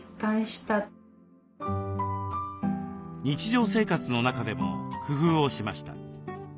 日常生活の中でも工夫をしました。